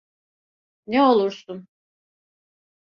Ne olursun.